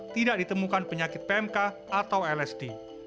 tidak ditemukan penyakit pmk atau lsd